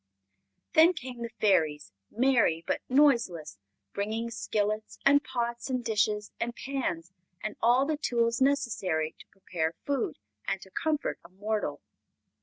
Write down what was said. Then came the Fairies, merry but noiseless, bringing skillets and pots and dishes and pans and all the tools necessary to prepare food and to comfort a mortal.